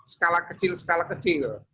skala kecil skala kecil